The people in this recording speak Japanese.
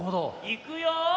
いくよ。